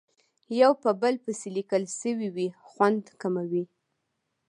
یو په بل پسې لیکل شوې وي خوند کموي.